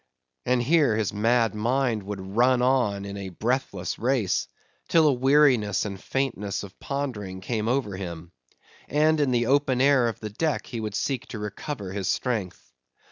And here, his mad mind would run on in a breathless race; till a weariness and faintness of pondering came over him; and in the open air of the deck he would seek to recover his strength.